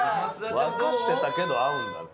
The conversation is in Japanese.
分かってたけど合うんだね。